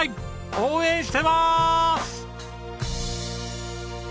応援してます！